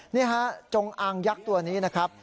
นี่ฮะจงอางยักษ์ตัวนี้นะครับ